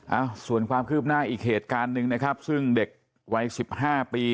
เอ้าส่วนความคืบหน้าอีกเหตุการณ์หนึ่งนะครับซึ่งเด็กวัยสิบห้าปี